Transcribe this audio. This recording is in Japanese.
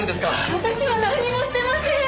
私はなんにもしてません！